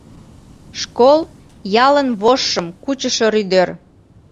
Школ — ялын вожшым кучышо рӱдер.